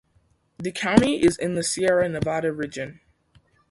The county is in the Sierra Nevada region.